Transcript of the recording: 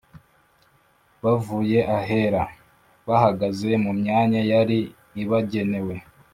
bavuye ahera, bahagaze mu myanya yari ibagenewe.